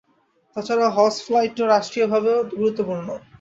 তা ছাড়া হজ ফ্লাইট রাষ্ট্রীয়ভাবেও গুরুত্বপূর্ণ।